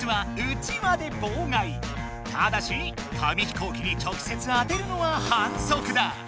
ただし紙飛行機に直せつ当てるのははんそくだ。